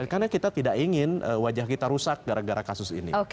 karena kita tidak ingin wajah kita rusak gara gara kasus ini